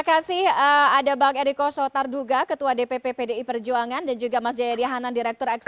terima kasih ada bang eriko sotarduga ketua dpp pdi perjuangan dan juga mas jayadi hanan direktur eksekutif